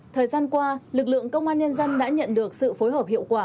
thời gian qua lực lượng công an nhân dân đã nhận được sự phối hợp hiệu quả